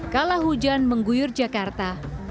kalau hujan mengguyur jakarta